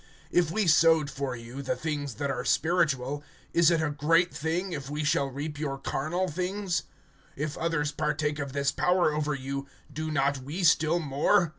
(11)If we sowed for you, the things that are spiritual, is it a great thing if we shall reap your carnal things? (12)If others partake of this power over you, do not we still more?